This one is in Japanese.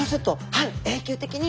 半永久的に？